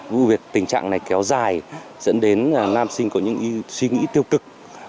vụ việc tình trạng này kéo dài dẫn đến nam sinh có những suy nghĩ tiêu cực